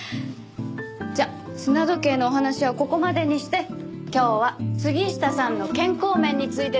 じゃあ砂時計のお話はここまでにして今日は杉下さんの健康面についてです。